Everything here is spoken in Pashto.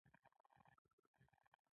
بزګر د غنمو خوشبو خوښوي